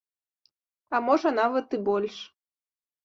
А можа, нават і больш!